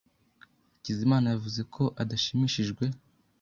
Hakizimana yavuze ko adashimishijwe.